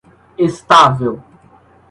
estável